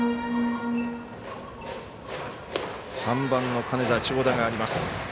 ３番の金田長打があります。